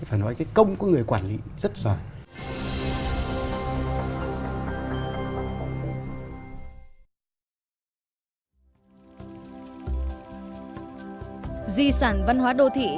phải nói cái công của người quản lý rất giỏi